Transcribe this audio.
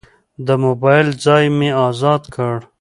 د موبایل ځای مې ازاد کړ.